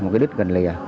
một cái đứt gần lìa